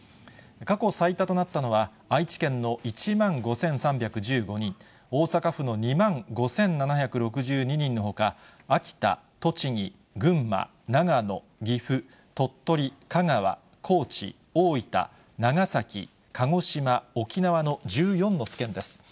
過去最多となったのは、愛知県の１万５３１５人、大阪府の２万５７６２人のほか、秋田、栃木、群馬、長野、岐阜、鳥取、香川、高知、大分、長崎、鹿児島、沖縄の１４の府県です。